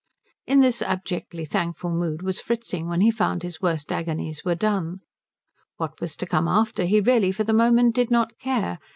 In this abjectly thankful mood was Fritzing when he found his worst agonies were done. What was to come after he really for the moment did not care.